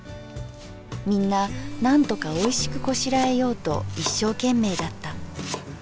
みんななんとかおいしくこしらえようと一生懸命だった。